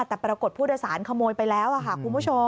แต่ปรากฏผู้โดยสารขโมยไปแล้วค่ะคุณผู้ชม